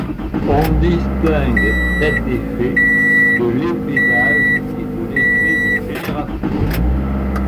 On distingue cet effet de l'effet d'âge et de l'effet de génération.